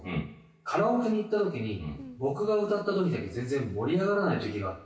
カラオケに行った時に僕が歌った時だけ全然盛り上がらない時があって。